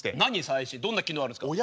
どんな機能あるんですか？